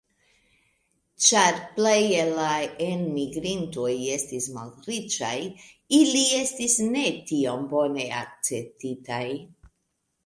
Ĉar plej el le enmigrintoj estis malriĉaj, Ili estis ne tiom bone akceptitaj.